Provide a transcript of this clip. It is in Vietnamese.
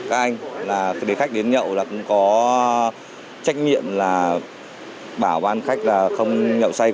các anh là khách đến nhậu là cũng có trách nhiệm là bảo ban khách là không nhậu say